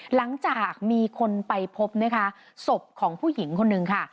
หลังจากมีคนไปพบนะคะศพของผู้หญิงคนนึงค่ะ